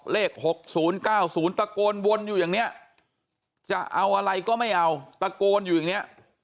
เลข๖๐๙๐ตะโกนวนอยู่อย่างนี้จะเอาอะไรก็ไม่เอาตะโกนอยู่อย่างนี้